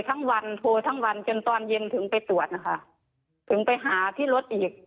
ทั้งวันโทรทั้งวันจนตอนเย็นถึงไปตรวจนะคะถึงไปหาที่รถอีก